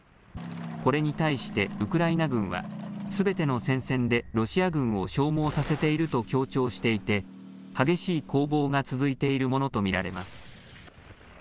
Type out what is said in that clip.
これに対してウクライナ軍はすべての戦線でロシア軍を消耗させていると強調していて激しい攻防が続いているものと見られます。